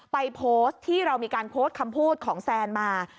ไปโพสต์ที่เรามีการโพสต์คำพูดของแซนมา